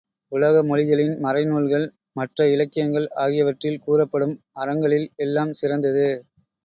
உலக மொழிகளின் மறைநூல்கள், மற்ற இலக்கியங்கள் ஆகியவற்றில் கூறப்படும் அறங்களில் எல்லாம் சிறந்தது.